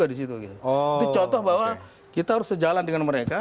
itu contoh bahwa kita harus sejalan dengan mereka